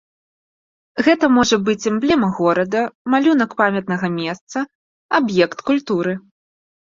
Гэта можа быць эмблема горада, малюнак памятнага месца, аб'ект культуры.